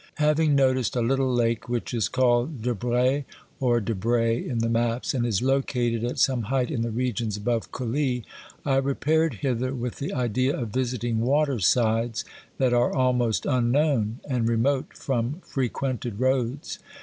Having noticed a little lake, which is called de Br^ or de Bray in the maps, and is located at some height in the regions above Cully, I repaired hither with the idea of visiting water sides that are almost unknown, and re mote from frequented roads.